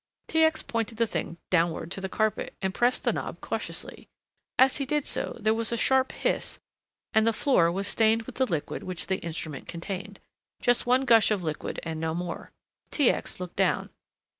T. X. pointed the thing downward to the carpet and pressed the knob cautiously. As he did so there was a sharp hiss and the floor was stained with the liquid which the instrument contained. Just one gush of fluid and no more. T. X. looked down.